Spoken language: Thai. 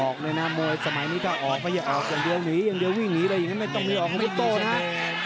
เลยนะมวยสมัยนี้ถ้าออกไม่ใช่ออกอย่างเดียวหนีอย่างเดียววิ่งหนีเลยอย่างนั้นไม่ต้องมีออกไม่โต้นะ